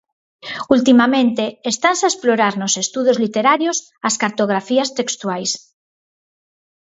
Ultimamente estanse a explorar nos estudos literarios as cartografías textuais.